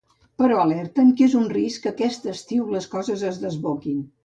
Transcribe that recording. Però alerten que és un risc que aquest estiu les coses es desboquin.